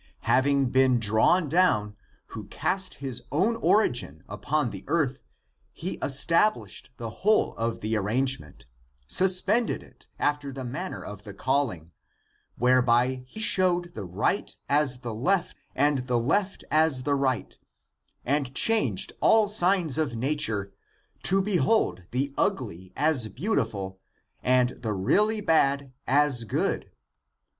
Having been drawn down ^°'* who cast his origin upon the earth, he established the whole of the arrangement, ^"^^ suspended it after the manner of the calling, whereby he showed the right as the left and the left as the right, and changed all signs of nature, to behold the ugly as beautiful and the really bad as good.